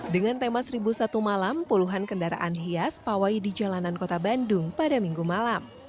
dengan tema seribu satu malam puluhan kendaraan hias pawai di jalanan kota bandung pada minggu malam